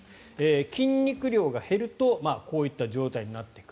筋肉量が減るとこういった状態になると。